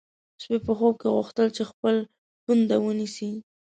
سپی په خوب کې غوښتل چې خپل پونده ونیسي.